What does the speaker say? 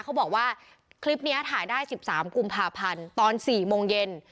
เขาบอกว่าคลิปนี้ถ่ายได้๑๓กุมภาพันธ์ตอน๔โมงเย็น